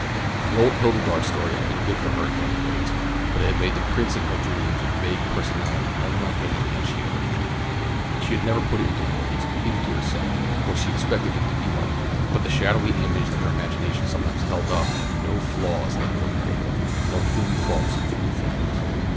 The old Hildegarde story had been good for her in many ways, but it had made the prince of her dreams a vague personality unlike any man she had ever met. She had never put into words, even to herself, what she expected him to be like, but the shadowy image that her imagination sometimes held up had no flaw like ordinary mortals, no human faults and failings.